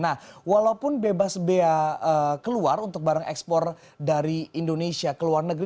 nah walaupun bebas bea keluar untuk barang ekspor dari indonesia ke luar negeri